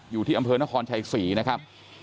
อยู่ที่อำเภอนครชัยศรีนะครับ